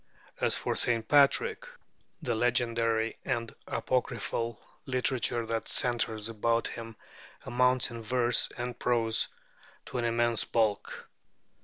As for St. Patrick, the legendary and apocryphal literature that centres about him amounts in verse and prose to an immense bulk.